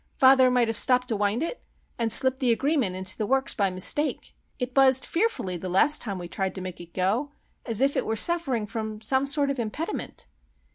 Father might have stopped to wind it, and slipped the agreement into the works by mistake. It buzzed fearfully the last time we tried to make it go,—as if it were suffering from some sort of impediment."